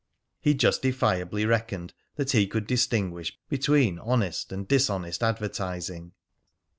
He justifiably reckoned that he could distinguish between honest and dishonest advertising.